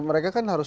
mereka kan harus